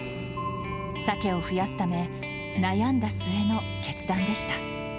サケを増やすため、悩んだ末の決断でした。